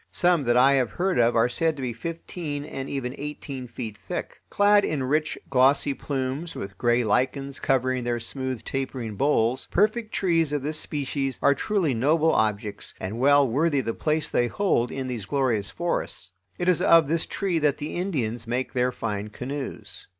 Some that I have heard of are said to be fifteen and even eighteen feet thick. Clad in rich, glossy plumes, with gray lichens covering their smooth, tapering boles, perfect trees of this species are truly noble objects and well worthy the place they hold in these glorious forests. It is of this tree that the Indians make their fine canoes.